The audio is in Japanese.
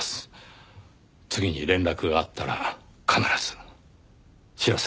次に連絡があったら必ず知らせてください。